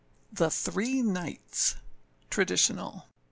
THE THREE KNIGHTS. (TRADITIONAL.)